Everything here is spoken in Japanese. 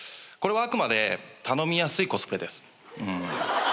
これはあくまで頼みやすいコスプレです。